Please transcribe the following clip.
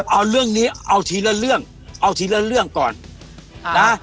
เอาเรื่องนี้เอาทีละเรื่องเอาทีละเรื่องก่อนนะ